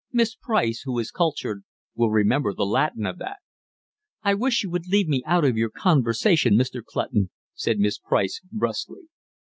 Miss Price, who is cultured, will remember the Latin of that." "I wish you would leave me out of your conversation, Mr. Clutton," said Miss Price brusquely.